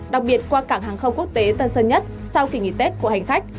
đặc biệt qua cảng hàng không quốc tế tân sơn nhất sau kỳ nghỉ tết của hành khách